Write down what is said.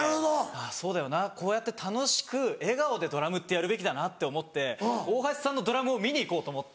そうだよなこうやって楽しく笑顔でドラムってやるべきだなって思って大橋さんのドラムを見に行こうと思って。